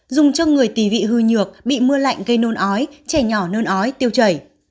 dùng cho người tỉ vị hư nhược bị mưa lạnh gây nôn ói trẻ nhỏ nôn ói tiêu chảy